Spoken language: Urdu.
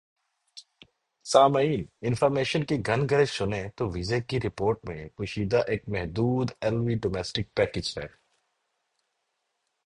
سامعین انفارمیشن کی گھن گرج سنیں تو ویزے کی رپورٹ میں پوشیدہ ایک محدود ایل وی ڈومیسٹک پیکج ہے